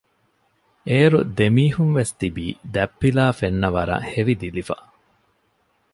އޭރު ދެމީހުންވެސް ތިބީ ދަތްޕިލާ ފެންނަވަރަށް ހެވިދިލިފަ